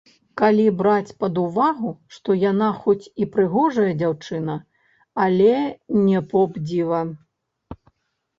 Калі браць пад увагу, што яна хоць і прыгожая дзяўчына, але не поп-дзіва.